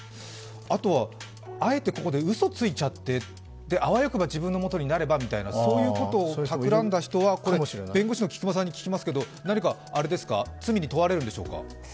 あとは、あえてここでうそついちゃって、あわよくば自分のものになればと、そういうことを企んだ人は弁護士の菊間さんに聞きますけど、何か罪に問われるんでしょうか？